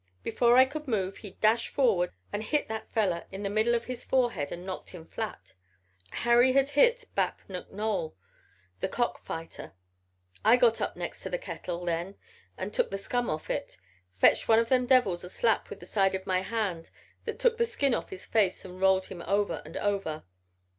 Before I could move he dashed forward and hit that feller in the middle of his forehead and knocked him flat. Harry had hit Bap McNoll the cock fighter. I got up next to the kettle then and took the scum off it. Fetched one of them devils a slap with the side of my hand that took the skin off his face and rolled him over and over.